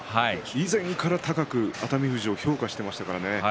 以前から高く熱海富士を評価していましたからね。